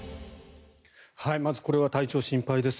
まずこれは体調が心配です。